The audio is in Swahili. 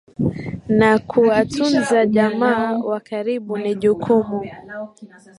na kuwatunza jamaa wa karibu ni jukumu